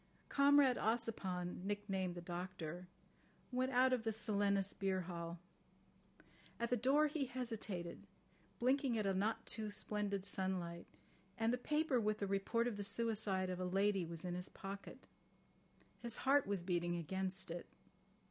Comrade Ossipon, nicknamed the Doctor, went out of the Silenus beer hall. At the door he hesitated, blinking at a not too splendid sunlight—and the paper with the report of the suicide of a lady was in his pocket. His heart was beating against it.